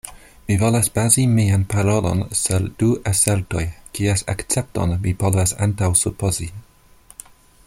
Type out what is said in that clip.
Mi volas bazi mian parolon sur du asertoj, kies akcepton mi povas antaŭsupozi.